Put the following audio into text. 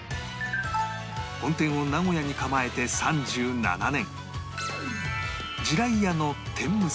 本店を名古屋に構えて３７年